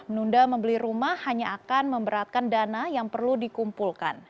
menunda membeli rumah hanya akan memberatkan dana yang perlu dikumpulkan